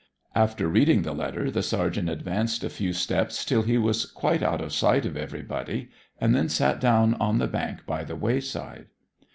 After reading the letter the sergeant advanced a few steps till he was quite out of sight of everybody, and then sat down on the bank by the wayside.